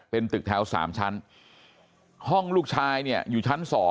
เป็นตึกแถว๓ชั้นห้องลูกชายเนี่ยอยู่ชั้น๒